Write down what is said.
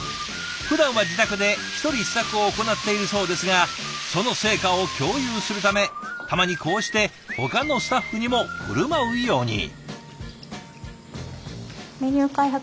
ふだんは自宅で１人試作を行っているそうですがその成果を共有するためたまにこうしてほかのスタッフにも振る舞うように。